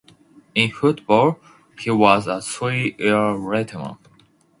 In football, he was a three-year letterman.